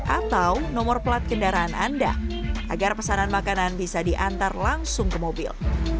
atau nomor plat kendaraan anda agar pesanan makanan bisa diantar langsung ke mobil